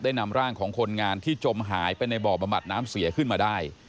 นำร่างของคนงานที่จมหายไปในบ่อบำบัดน้ำเสียขึ้นมาได้